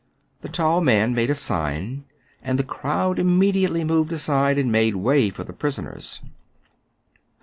The tall man made a sign, and the crowd imme diately moved aside, and made way for the pris oners.